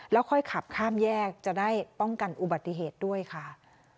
แล้วค่อยขับข้ามแยกจะได้ป้องกันอุบัติเหตุด้วยค่ะ